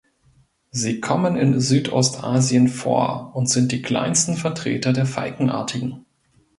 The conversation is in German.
Sie kommen in Südostasien vor und sind die kleinsten Vertreter der Falkenartigen.